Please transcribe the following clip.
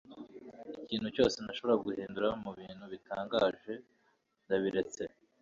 ikintu cyose ntashobora guhindura mubintu bitangaje, ndabiretse